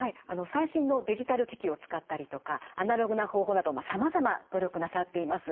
最新のデジタル機器を使ったりとかアナログな方法などさまざま努力なさっています。